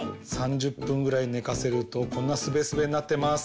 ３０ぷんぐらいねかせるとこんなすべすべになってます。